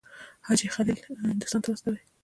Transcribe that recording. حاجي خلیل هندوستان ته واستوي.